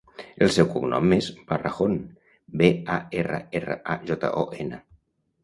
El seu cognom és Barrajon: be, a, erra, erra, a, jota, o, ena.